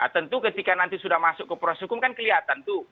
tentu ketika nanti sudah masuk ke proses hukum kan kelihatan tuh